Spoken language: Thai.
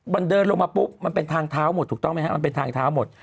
มันเดินลงมาปุ๊บมันเป็นทางเท้าหมดถูกต้องไหมฮะมันเป็นทางเท้าหมด